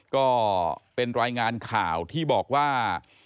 ก็เป็นรายงานข่าวที่บอกว่า